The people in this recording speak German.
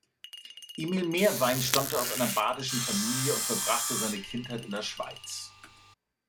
Emil Meerwein stammte aus einer badischen Familie und verbrachte seine Kindheit in der Schweiz.